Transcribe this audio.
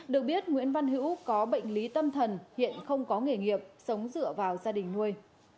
được biết nguyễn văn hữu có bệnh lý tâm thần hiện không có nghề nghiệp sống dựa vào gia đình nuôi